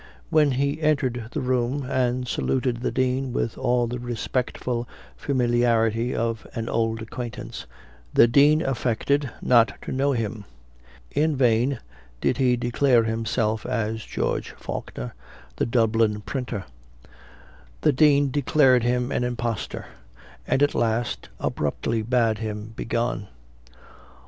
When he entered the room, and saluted the Dean with all the respectful familiarity of an old acquaintance, the Dean affected not to know him; in vain did he declare himself as George Faulkner, the Dublin printer; the Dean declared him an impostor, and at last abruptly bade him begone.